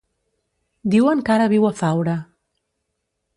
Diuen que ara viu a Faura.